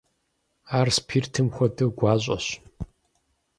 Ар спиртым хуэдэу гуащӀэщ.